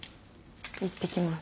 いってきます。